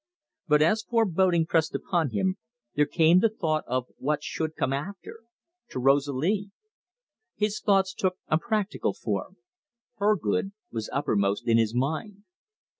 But as foreboding pressed upon him there came the thought of what should come after to Rosalie. His thoughts took a practical form her good was uppermost in his mind.